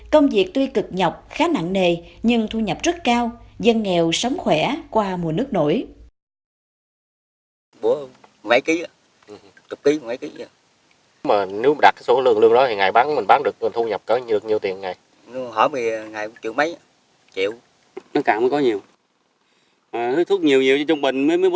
công việc tuy cực nhọc khá nặng nề nhưng thu nhập rất cao dân nghèo sống khỏe qua mùa nước nổi